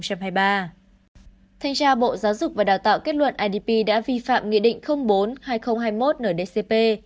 thanh tra bộ giáo dục và đào tạo kết luận idp đã vi phạm nghị định bốn hai nghìn hai mươi một ndcp